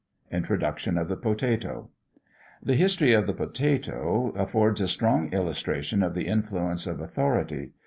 INTRODUCTION OF THE POTATO. The history of the potato affords a strong illustration of the influence of authority.